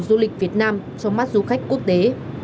du lịch việt nam trong mắt du khách quốc tế